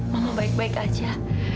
mama baik baik aja